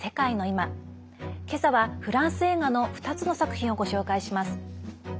今朝はフランス映画の２つの作品をご紹介します。